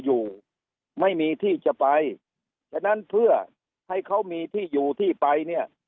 อยู่ไม่มีที่จะไปฉะนั้นเพื่อให้เขามีที่อยู่ที่ไปเนี่ย